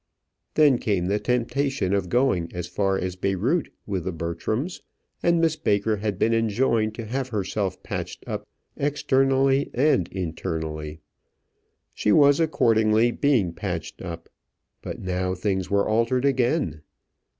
Then came the temptation of going as far as Beyrout with the Bertrams, and Miss Baker had been enjoined to have herself patched up externally and internally. She was accordingly being patched up; but now things were altered again.